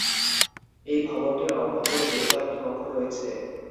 এই ভবনটির অভ্যন্তরে বেশকয়েকটি কক্ষ রয়েছে।